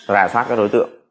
rà soát các đối tượng